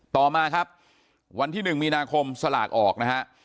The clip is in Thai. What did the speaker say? ต่อมาครับวันที่๑มีนาคมสลากออกนะฮะ